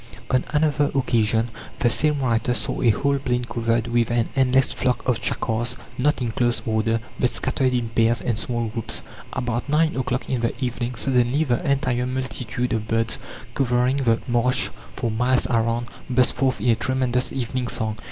On another occasion the same writer saw a whole plain covered with an endless flock of chakars, not in close order, but scattered in pairs and small groups. About nine o'clock in the evening, "suddenly the entire multitude of birds covering the marsh for miles around burst forth in a tremendous evening song....